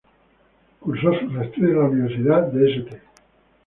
Cursó sus estudios en la Universidad de St.